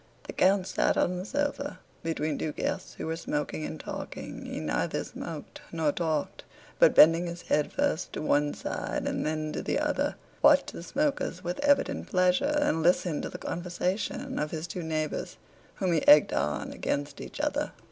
The count sat on the sofa between two guests who were smoking and talking. He neither smoked nor talked, but bending his head first to one side and then to the other watched the smokers with evident pleasure and listened to the conversation of his two neighbors, whom he egged on against each other.